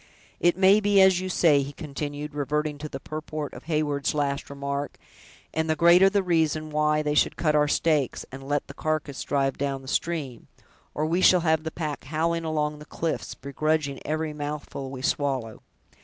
It may be as you say," he continued, reverting to the purport of Heyward's last remark; "and the greater the reason why we should cut our steaks, and let the carcass drive down the stream, or we shall have the pack howling along the cliffs, begrudging every mouthful we swallow.